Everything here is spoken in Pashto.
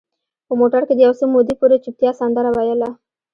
په موټر کې د یو څه مودې پورې چوپتیا سندره ویله.